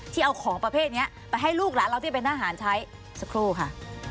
ของประเภทนี้ไปให้ลูกหลานเราที่เป็นทหารใช้สักครู่ค่ะ